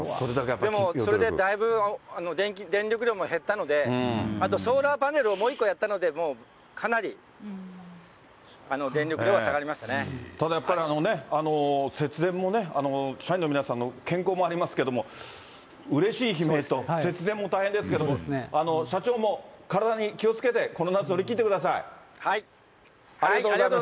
でも、それでだいぶ電力量も減ったので、あとソーラーパネルをもう一個やったので、もう、かなり電力量はただやっぱりね、節電もね、社員の皆さんの健康もありますけれども、うれしい悲鳴と、節電も大変ですけれども、社長も体に気をつけてこの夏、乗り切ってください。